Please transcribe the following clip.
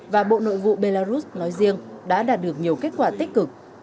và bộ nội vụ belarus nói riêng đã đạt được nhiều kết quả tích cực